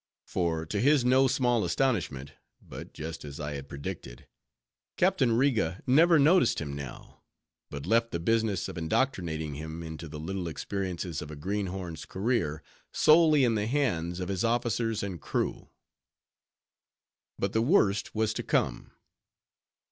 For to his no small astonishment,—but just as I had predicted,—Captain Riga never noticed him now, but left the business of indoctrinating him into the little experiences of a greenhorn's career solely in the hands of his officers and crew. But the worst was to come.